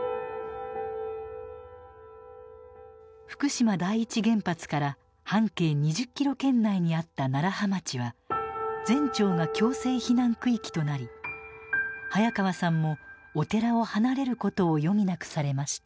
福島第一原発から半径２０キロ圏内にあった楢葉町は全町が強制避難区域となり早川さんもお寺を離れることを余儀なくされました。